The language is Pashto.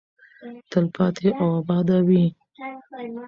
تلپاتې او اباده وي.